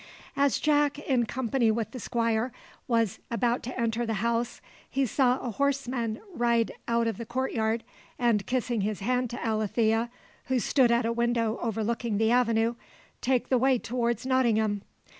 As Jack, in company with the Squire, was about to enter the house, he saw a horseman ride out of the courtyard, and kissing his hand to Alethea, who stood at a window overlooking the avenue, take the way towards Nottingham.